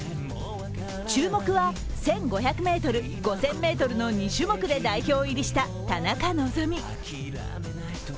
注目は１５００ｍ、５０００ｍの２種目で代表入りした田中希実。